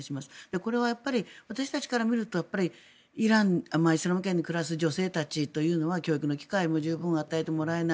これはやっぱり私たちから見るとイラン、イスラム圏に暮らす女性たちというのは教育の機会も十分与えてもらえない